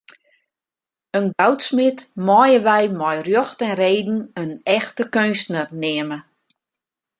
In goudsmid meie wy mei rjocht en reden in echte keunstner neame.